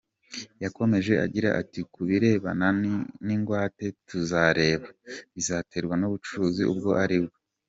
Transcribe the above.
Yakomeje agira ati “Ku birebana n’ingwate tuzareba, bizaterwa n’ubucuruzi ubwo ari bwo.